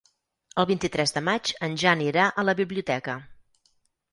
El vint-i-tres de maig en Jan irà a la biblioteca.